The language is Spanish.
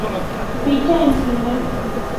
Ficha en filmaffinity